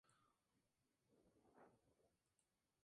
María estaba interesada en la literatura, música, teatro y arte.